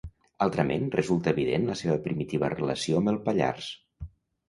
Altrament, resulta evident la seva primitiva relació amb el Pallars.